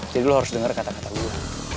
jadi lo harus denger kata kata gue